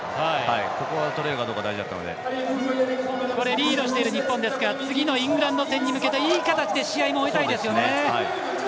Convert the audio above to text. リードしている日本ですが次のイングランド戦に向けていい形で試合も終えたいですよね。